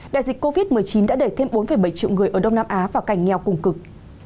đại dịch covid một mươi chín đã đẩy thêm bốn bảy triệu người ở đông nam á vào cảnh nghèo cùng cực